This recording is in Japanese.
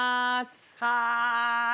はい！